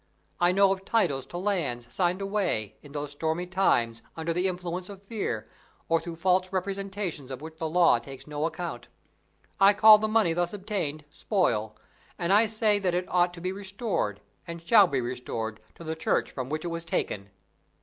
I know of titles to lands signed away, in those stormy times, under the influence of fear, or through false representations of which the law takes no account. I call the money thus obtained spoil, and I say that it ought to be restored, and shall be restored, to the Church from which it was taken."